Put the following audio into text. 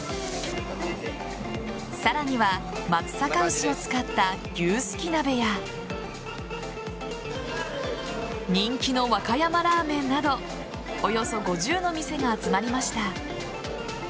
さらには松阪牛を使った牛すき鍋や人気の和歌山ラーメンなどおよそ５０の店が集まりました。